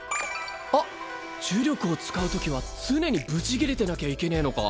あっ呪力を使うときは常にぶちギレてなきゃいけねぇのか。